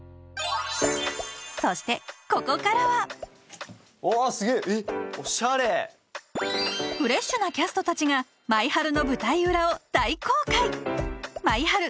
そしてここからはフレッシュなキャストたちが「マイハル」の舞台裏を大公開「マイハル」